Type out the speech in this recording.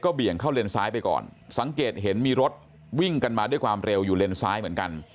เบี่ยงเข้าเลนซ้ายไปก่อนสังเกตเห็นมีรถวิ่งกันมาด้วยความเร็วอยู่เลนซ้ายเหมือนกัน